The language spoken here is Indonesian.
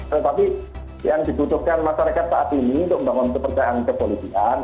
tetapi yang dibutuhkan masyarakat saat ini untuk membangun kepercayaan kepolisian